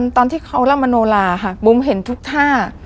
ตอนที่เขาร่ำมโนลาค่ะบุ๋มเห็นทุกท่า